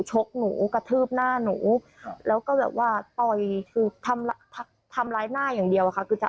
ชกหนูกระทืบหน้าหนูแล้วก็แบบว่าต่อยคือทำร้ายหน้าอย่างเดียวอะค่ะคือจะ